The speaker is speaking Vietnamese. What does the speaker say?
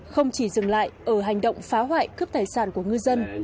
không chỉ dừng lại ở hành động phá hoại cướp tài sản của ngư dân